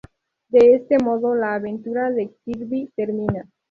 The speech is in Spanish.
De este modo, la aventura de Kirby termina.